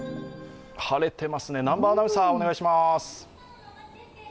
晴れてますね、南波アナウンサーお願いします。